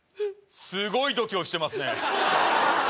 すごい度胸してますね